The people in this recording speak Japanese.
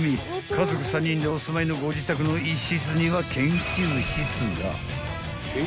［家族３人でお住まいのご自宅の一室には研究室が］